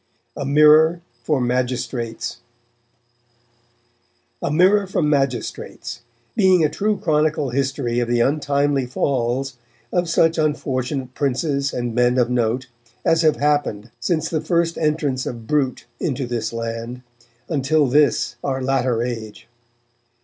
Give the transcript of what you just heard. A MIRROR FOR MAGISTRATES A MIRROR FOR MAGISTRATES: _being a true Chronicle Historie of the untimely falles of such unfortunate Princes and men of note, as have happened since the first entrance of Brute into this Iland, untill this our latter Age.